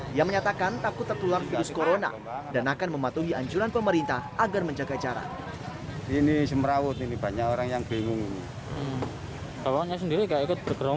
dia menyatakan takut tertular virus corona dan akan mematuhi anjuran pemerintah agar menjaga jarak